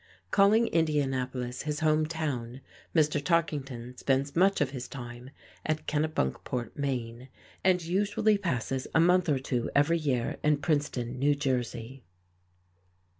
Calling Indianapolis his home town, Mr. Tarkington spends much of his time at Kennebunkport, Maine, and usually passes a month or two every year in Princeton, New Jersey.